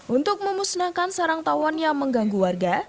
untuk memusnahkan sarang tawon yang mengganggu warga